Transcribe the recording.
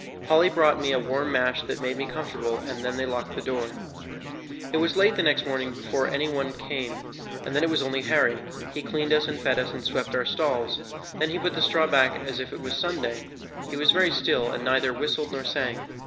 Polly brought me a warm mash that made me comfortable, and then they locked the door. It was late the next morning before any one came, and then it was only Harry. He cleaned us and fed us, and swept out the stalls, then he put the straw back again as if it was Sunday. He was very still, and neither whistled nor sang.